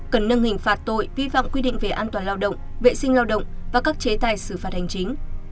cần nâng hình phạt tội vi phạm quy định về an toàn lao động vệ sinh lao động và các chế tài xử phạt hành chính